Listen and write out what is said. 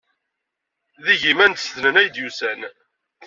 D igiman n tsednan ay d-yusan.